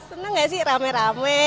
senang gak sih rame rame